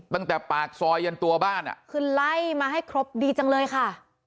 ตั้งแต่ปากซอยยันตัวบ้านอ่ะคือไล่มาให้ครบดีจังเลยค่ะ